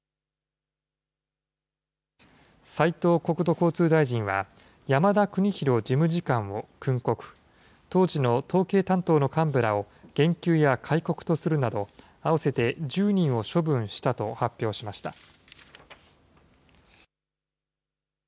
斉藤国土交通大臣は山田邦博事務次官を訓告、当時の統計担当の幹部らを減給や戒告とするなど、合わせて１０人を処分したと発表しました。